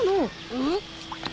うん？